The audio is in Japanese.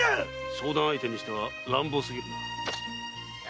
相談相手にしては乱暴すぎるな。